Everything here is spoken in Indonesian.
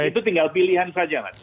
itu tinggal pilihan saja mas